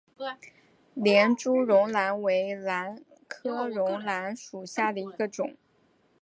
连珠绒兰为兰科绒兰属下的一个种。